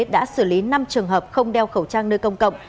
đã xử lý năm trường hợp không đeo khẩu trang nơi công cộng